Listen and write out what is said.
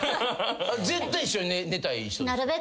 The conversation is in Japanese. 絶対一緒に寝たい人？